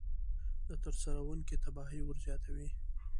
د ترسروونکي تباهي ورزیاتوي.